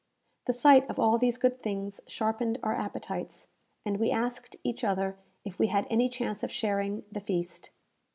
The sight of all these good things sharpened our appetites, and we asked each other if we had any chance of sharing the feast.